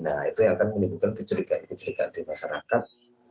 nah itu yang akan menimbulkan kecurigaan kecurigaan di masyarakat